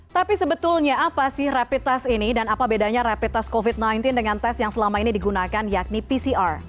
tapi sebetulnya apa sih rapid test ini dan apa bedanya rapid test covid sembilan belas dengan tes yang selama ini digunakan yakni pcr